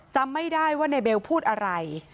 จำไม่ได้ว่านายเบลพูดอะไร